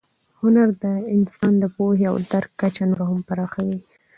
هنر د انسان د پوهې او درک کچه نوره هم پراخوي.